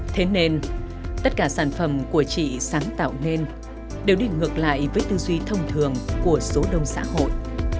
thế nên tất cả sản phẩm của chị sáng tạo nên đều đi ngược lại với tư duy thông thường của số đông xã hội